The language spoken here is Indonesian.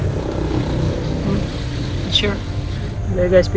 ya pasti kalian baik baik saja